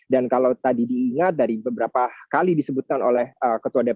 dan kalau tadi diingat dari beberapa kali disebutkan oleh ketua dpr